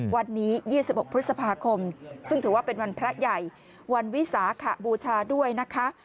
วันนี้๒๖พฤษภาคมซึ่งถือว่าเป็นวันพระใหญ่วันวิสาขบูชาด้วยนะคะ